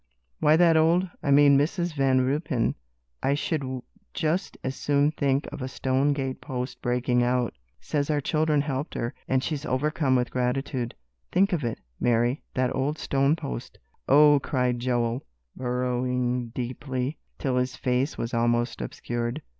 "Why, that old I mean Mrs. Van Ruypen, I should just as soon think of a stone gate post breaking out says our children helped her, and she's overcome with gratitude. Think of it, Mary, that old stone post!" "Oh!" cried Joel, burrowing deeply, till his face was almost obscured.